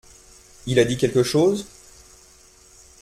Il a dit quelque chose ?